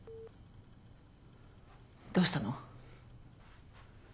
どうしたの？